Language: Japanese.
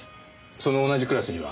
その同じクラスには。